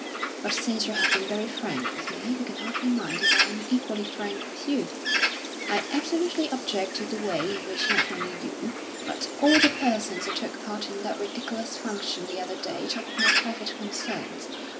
But since you have been very frank with me, you can hardly mind if I am equally frank with you. I absolutely object to the way in which not only you, but all the persons who took part in that ridiculous function the other day, talk of my private concerns.